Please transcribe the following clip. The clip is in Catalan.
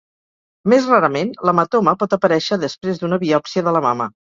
Més rarament, l'hematoma pot aparèixer després d'una biòpsia de la mama.